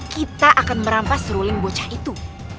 kita akan merampas seruling bocah itu